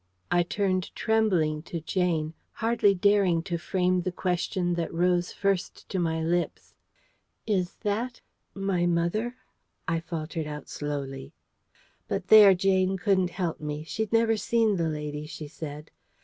I turned trembling to Jane, hardly daring to frame the question that rose first to my lips. "Is that my mother?" I faltered out slowly. But there Jane couldn't help me. She'd never seen the lady, she said.